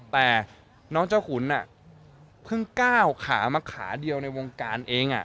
แต่น้องเจ้าขุนเพิ่งก้าวขามาขาเดียวในวงการเอง